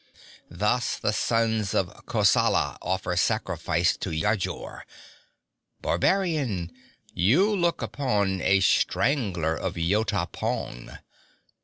Thus the sons of Kosala offer sacrifice to Yajur. Barbarian, you look upon a strangler of Yota pong.